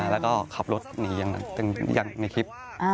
แล้วก็ขับรถหนีอย่างในคลิป